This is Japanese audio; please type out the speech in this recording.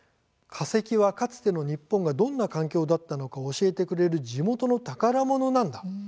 化石はかつての日本がどんな環境だったのか教えてくれる地元の宝物なんだ